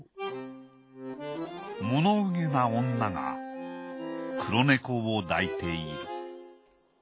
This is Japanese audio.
物憂げな女が黒猫を抱いている。